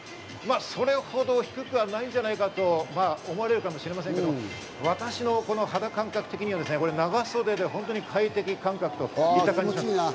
それほど低くはないんじゃないかと思われるかもしれませんが私の肌感覚的には長袖で快適感覚といった感じ。